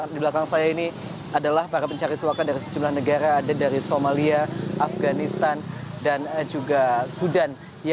di belakang saya ini adalah para pencari suaka dari sejumlah negara ada dari somalia afganistan dan juga sudan